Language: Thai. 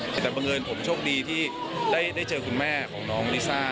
แต่บังเอิญผมโชคดีที่ได้เจอคุณแม่ของน้องลิซ่า